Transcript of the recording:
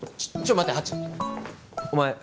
待てハチお前